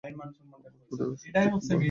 আমার সত্যিই খুব ভয় হচ্ছে।